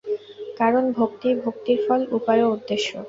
কারণ ভক্তিই ভক্তির ফল, উপায় ও উদ্দেশ্য।